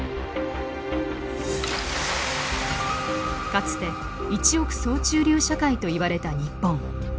かつて一億総中流社会といわれた日本。